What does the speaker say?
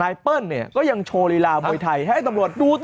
เปิ้ลเนี่ยก็ยังโชว์ลีลามวยไทยให้ตำรวจดูต่อ